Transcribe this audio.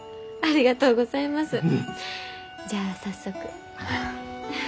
じゃあ早速。